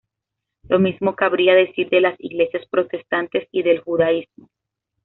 Lo mismo cabría decir de las iglesias protestantes, y del judaísmo.